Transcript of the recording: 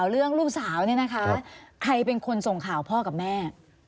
เรื่องลูกสาวเนี่ยนะคะใครเป็นคนส่งข่าวพ่อกับแม่